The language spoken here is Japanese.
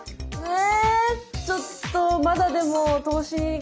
え？